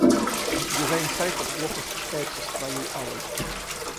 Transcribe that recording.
Дизайн сайта плохо сочетается с твоей авой.